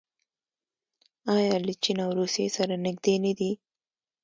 آیا له چین او روسیې سره نږدې نه دي؟